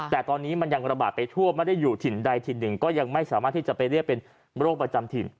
แต่ตอนนี้มันยังระบาดไปทั่วไม่ได้อยู่ถิ่นใดถิ่นหนึ่งก็ยังไม่สามารถที่จะไปเรียกเป็นโรคประจำถิ่น